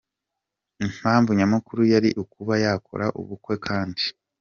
Impamvu nyamukuru yari ukuba yakora ubukwe kandi